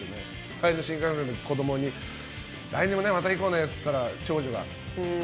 帰りの新幹線で子供に来年もまた行こうねって言ったら長女が、うーん。